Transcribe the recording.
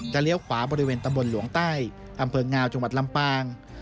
เลี้ยวขวาบริเวณตำบลหลวงใต้อำเภองาวจังหวัดลำปาง